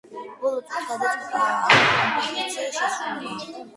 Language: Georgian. ბოლო წუთს გადაწყვიტა ამ კომპოზიციის შესრულება.